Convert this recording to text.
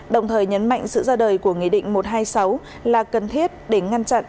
đồng thời nhấn mạnh sự ra đời của nghị định một trăm hai mươi sáu là cần thiết để ngăn chặn